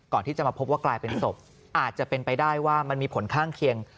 ก่อนที่จะมาพบว่ากลายเป็นศพอาจจะเป็นไปได้ว่ามันมีผลข้างเคียง